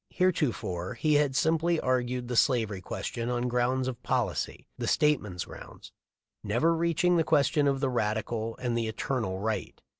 Heretofore he had simply argued the slavery question on grounds of policy, — the stateman's grounds, — never reach ing the question of the radical and the eternal right.